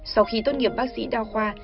sau khi tốt nghiệp bác sĩ đao khoa